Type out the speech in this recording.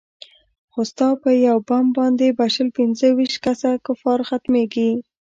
خو ستا په يو بم باندې به شل پينځه ويشت كسه كفار ختميږي.